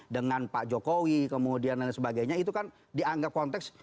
dengan pak jokowi kemudian dan sebagainya itu kan dianggap konteks